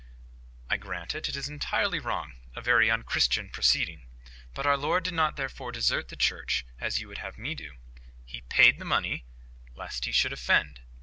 "I grant it: it is entirely wrong—a very unchristian proceeding. But our Lord did not therefore desert the Church, as you would have me do. HE PAID THE MONEY, lest He should offend.